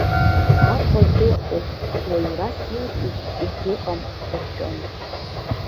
Аҟәа дыҟоуп, уаҩрас илҵыз егьыҟам, рҳәон.